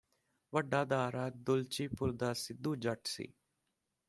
ਵੱਡਾ ਦਾਰਾ ਦੁਲਚੀਪੁਰ ਦਾ ਸਿੱਧੂ ਜੱਟ ਸੀ